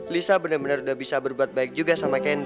lisa bener bener udah bisa berbuat baik juga sama kendi